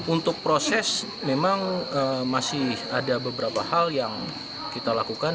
untuk proses memang masih ada beberapa hal yang kita lakukan